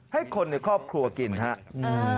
ให้คนในครอบครัวกินครับ